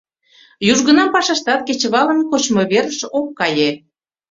Южгунам пашаштат кечывалым кочмыверыш ок кае.